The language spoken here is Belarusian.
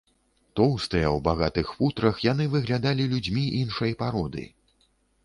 Тоўстыя, у багатых футрах, яны выглядалі людзьмі іншай пароды.